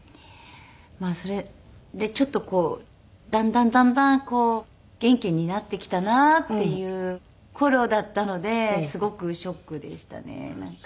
それでちょっとこうだんだんだんだん元気になってきたなっていう頃だったのですごくショックでしたねなんか。